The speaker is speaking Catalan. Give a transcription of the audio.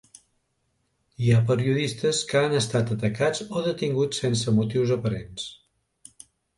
Hi ha periodistes que han estat atacats o detinguts sense motius aparents.